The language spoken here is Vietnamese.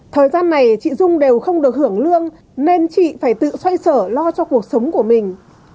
thời gian này chị dung đều không được hưởng lương nên chị phải tự xoay sở lo cho cuộc sống của mình